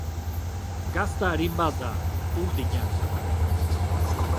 Gazta arin bat da, urdina.